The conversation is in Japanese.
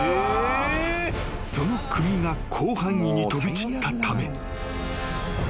［その釘が広範囲に飛び散ったため］